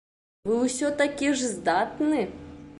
Вы ўсё такі ж здатны!